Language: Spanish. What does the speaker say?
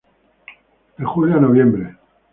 Julio a noviembre.